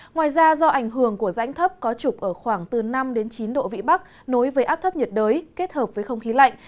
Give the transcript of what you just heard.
ngoài ra do ảnh hưởng của rãnh thấp có trục ở khoảng từ năm chín độ vĩ bắc nối với áp thấp nhiệt đới kết hợp với không khí lạnh